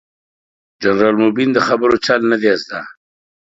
جنرال مبين ده خبرو چل نه دې زده.